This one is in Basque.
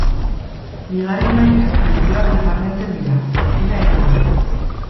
Bigarren mailan, leihoak nabarmentzen dira, gortina erakoak.